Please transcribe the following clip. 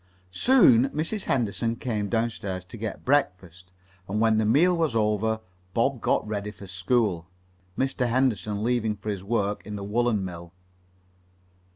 Soon Mrs. Henderson came downstairs to get breakfast, and when the meal was over Bob got ready for school, Mr. Henderson leaving for his work in the woolen mill.